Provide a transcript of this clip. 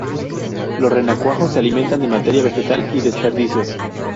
Los renacuajos se alimentan de materia vegetal y desperdicios.